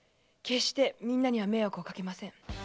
決してみんなには迷惑をかけません。